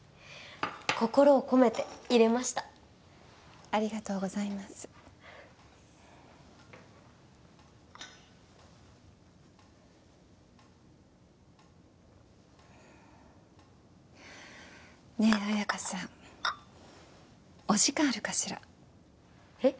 心を込めていれましたありがとうございますねえ綾華さんお時間あるかしらえっ？